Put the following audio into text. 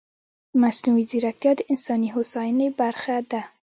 مصنوعي ځیرکتیا د انساني هوساینې برخه ده.